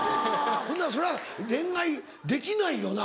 ほんだらそれ恋愛できないよな。